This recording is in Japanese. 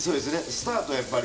スタートはやっぱり。